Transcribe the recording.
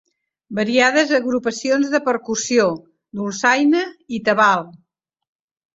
Variades agrupacions de percussió, dolçaina i tabal.